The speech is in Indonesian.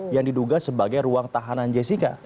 yang diduga sebagai ruang tahanan jessica